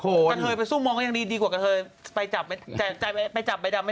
กระเทยไปซุ่มมองก็ยังดีกว่ากระเทยไปจับใบดำไม่ได้